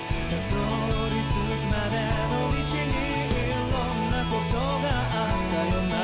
「辿り着くまでの道にいろんなことがあったよな」